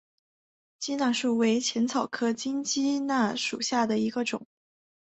鸡纳树为茜草科金鸡纳属下的一个种。